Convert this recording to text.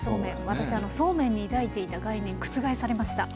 私そうめんに抱いていた概念覆されました。